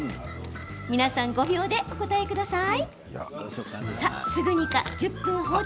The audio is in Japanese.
皆さん、５秒でお答えください。